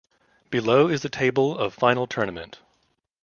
Below is the table of Final tournament.